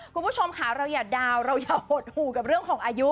คุณผู้ชมค่ะเราอย่าดาวนเราอย่าหดหูกับเรื่องของอายุ